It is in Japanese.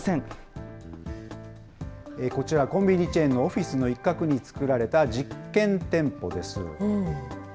こちら、コンビニチェーンのオフィスの一角に作られた実験店舗です。